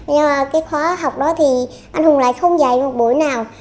nhưng mà cái khóa học đó thì anh hùng lại không dạy một buổi nào